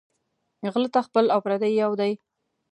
غله ته خپل او پردي یو دى